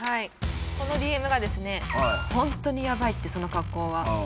このＤＭがですね「ホントにやばいってその格好は」